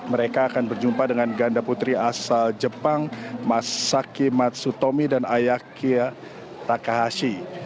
mereka akan berjumpa dengan ganda putri asal jepang mas saki matsutomi dan ayakia takahashi